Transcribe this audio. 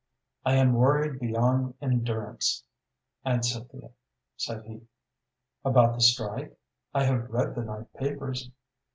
"I am worried beyond endurance, Aunt Cynthia," said he. "About the strike? I have read the night papers."